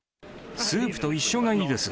スープと一緒がいいです。